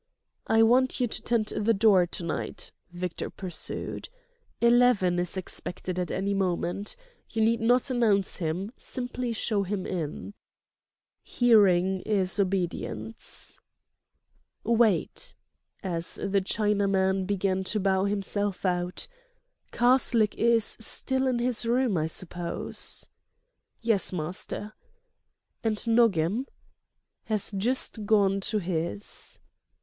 "I want you to tend the door to night," Victor pursued. "Eleven is expected at any moment. You need not announce him, simply show him in." "Hearing is obedience." "Wait"—as the Chinaman began to bow himself out—"Karslake is still in his room, I suppose?" "Yes, master." "And Nogam?" "Has just gone to his."